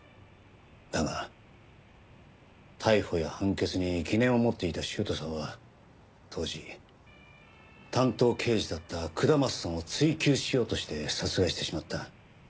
だが逮捕や判決に疑念を持っていた修斗さんは当時担当刑事だった下松さんを追及しようとして殺害してしまった。